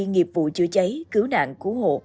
nghiệp vụ chữa cháy cứu nạn cứu hộ